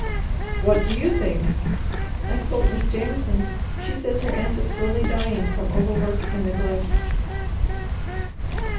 "What do you think?" "I quote Miss Jameson. She says her aunt is slowly dying from overwork and neglect."